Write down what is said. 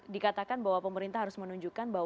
dikatakan bahwa pemerintah harus menunjukkan bahwa